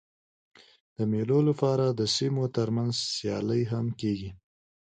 د مېلو له پاره د سیمو تر منځ سیالۍ هم کېږي.